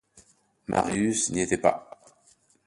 Marius n’y était pas.